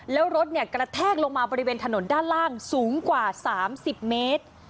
แล้วรถกระแทกลงมาบริเวณถนนด้านล่างสูงกว่า๓๐เมตร